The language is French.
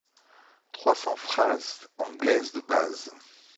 Trois cents phrases anglaises de base.